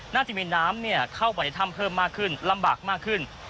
น่าจะมีน้ำเข้าไปในถ้ำเพิ่มมากขึ้นลำบากมากขึ้น